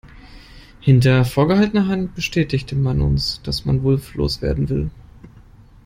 Hinter vorgehaltener Hand bestätigte man uns, dass man Wulff loswerden will.